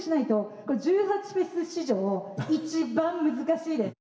これ１８祭史上一番難しいです。